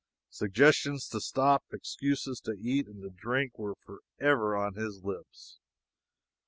Suggestions to stop, excuses to eat and to drink, were forever on his lips.